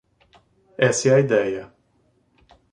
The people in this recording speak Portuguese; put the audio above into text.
Essa é a ideia.